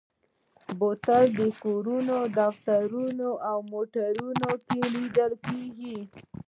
بوتل په کورونو، دفترونو او موټرو کې لیدل کېږي.